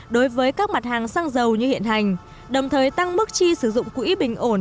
đối với các mặt hàng xăng dầu như hiện hành đồng thời tăng mức chi sử dụng quỹ bình ổn